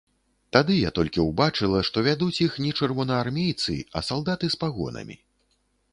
Тады я толькі ўбачыла, што вядуць іх не чырвонаармейцы, а салдаты з пагонамі.